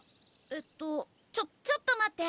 えっとちょちょっと待って。